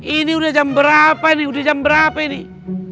ini udah jam berapa nih udah jam berapa nih